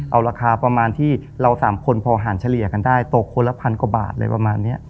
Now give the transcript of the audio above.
เอาราคาประมาณที่เรา๓คนพอหันเฉลี่ยกันได้ตกคนละพันกว่าบาทอะไรประมาณนี้